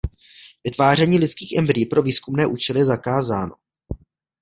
Vytváření lidských embryí pro výzkumné účely je zakázáno.